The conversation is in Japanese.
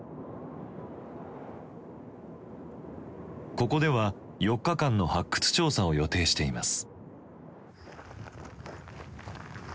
ここでは４日間の発掘調査を予定しています。